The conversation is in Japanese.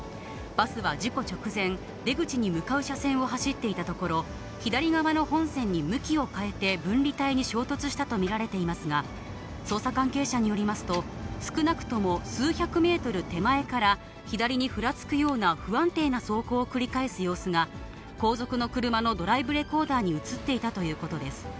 バスは事故直前、出口に向かう車線を走っていたところ、左側の本線に向きを変えて、分離帯に衝突したと見られていますが、捜査関係者によりますと、少なくとも数百メートル手前から、左にふらつくような、不安定な走行を繰り返す様子が、後続の車のドライブレコーダーに写っていたということです。